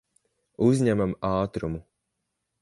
Uzņemam ātrumu.